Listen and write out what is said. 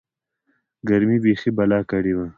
گرمۍ بيخي بلا کړې وه.